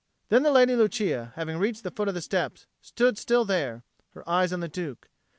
Then the Lady Lucia, having reached the foot of the steps, stood still there, her eyes on the Duke.